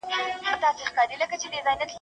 ¬ اوښ په خپلو بولو کي گوډېږي.